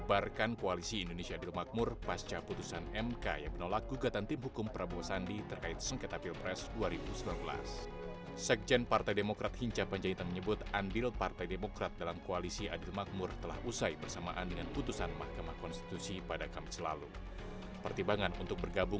barusan sudah berlangsung pertemuan